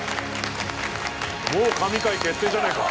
もう神回決定じゃねえか！